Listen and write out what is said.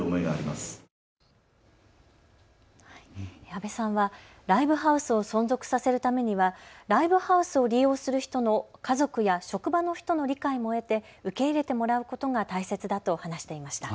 阿部さんはライブハウスを存続させるためにはライブハウスを利用する人の家族や職場の人の理解も得て受け入れてもらうことが大切だと話していました。